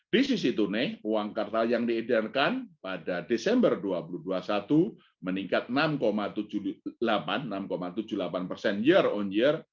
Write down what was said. di sisi tunai uang kartal yang diedarkan pada desember dua ribu dua puluh satu meningkat enam tujuh puluh delapan persen year on year